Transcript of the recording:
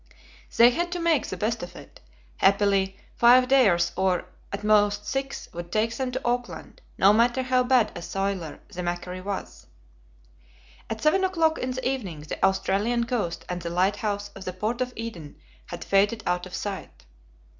They had to make the best of it. Happily, five days, or, at most, six, would take them to Auckland, no matter how bad a sailor the MACQUARIE was. At seven o'clock in the evening the Australian coast and the lighthouse of the port of Eden had faded out of sight.